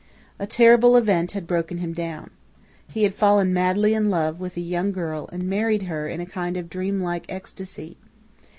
"A terrible event had broken him down. He had fallen madly in love with a young girl and married her in a kind of dreamlike ecstasy.